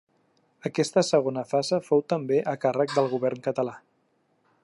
Aquesta segona fase fou també a càrrec del Govern català.